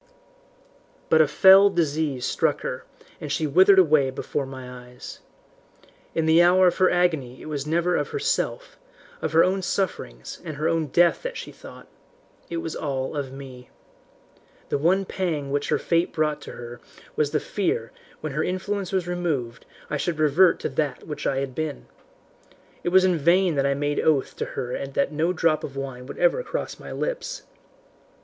"But a fell disease struck her, and she withered away before my eyes. In the hour of her agony it was never of herself, of her own sufferings and her own death that she thought. It was all of me. The one pang which her fate brought to her was the fear that when her influence was removed I should revert to that which I had been. It was in vain that I made oath to her that no drop of wine would ever cross my lips.